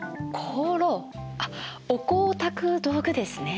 あっお香をたく道具ですね。